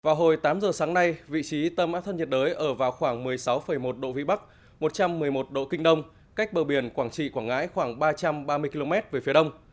vào hồi tám giờ sáng nay vị trí tâm áp thấp nhiệt đới ở vào khoảng một mươi sáu một độ vĩ bắc một trăm một mươi một độ kinh đông cách bờ biển quảng trị quảng ngãi khoảng ba trăm ba mươi km về phía đông